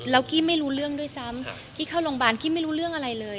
แล้วกี้ไม่รู้เรื่องด้วยซ้ำกี้เข้าโรงพยาบาลกี้ไม่รู้เรื่องอะไรเลย